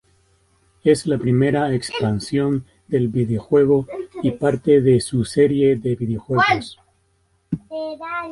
Es la primera expansión del videojuego y parte de su serie de videojuegos.